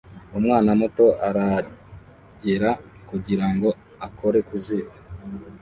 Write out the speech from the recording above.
Umwana muto aragera kugirango akore ku ziko